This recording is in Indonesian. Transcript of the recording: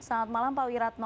selamat malam pak wira tno